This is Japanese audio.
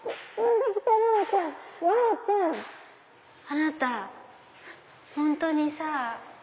あなた本当にさ。